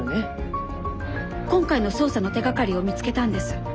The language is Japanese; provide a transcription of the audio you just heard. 今回の捜査の手がかりを見つけたんです。